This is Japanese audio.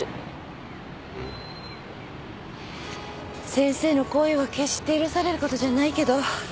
先生の行為は決して許されることじゃないけど。